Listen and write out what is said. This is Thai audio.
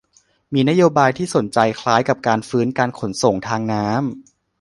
มีนโยบายที่สนใจคล้าย คือ การฟื้นการขนส่งทางน้ำ